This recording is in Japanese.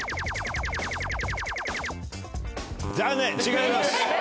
残念違います。